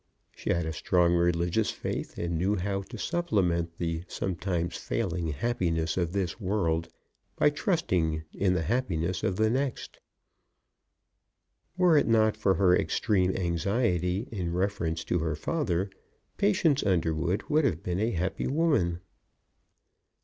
She had a strong religious faith, and knew how to supplement the sometimes failing happiness of this world, by trusting in the happiness of the next. Were it not for her extreme anxiety in reference to her father, Patience Underwood would have been a happy woman.